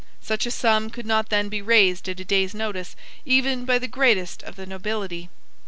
Such a sum could not then be raised at a day's notice even by the greatest of the nobility.